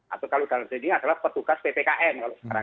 atau kalau dalam sini adalah petugas ppkm